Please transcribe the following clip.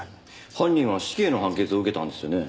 犯人は死刑の判決を受けたんですよね。